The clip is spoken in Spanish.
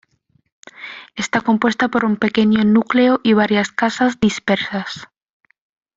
Está compuesta por un pequeño núcleo y varias casas dispersas.